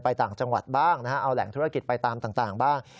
ต่างจังหวัดบ้างนะฮะเอาแหล่งธุรกิจไปตามต่างบ้าง